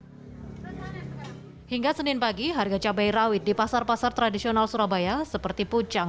hai hingga senin pagi harga cabai rawit di pasar pasar tradisional surabaya seperti pucang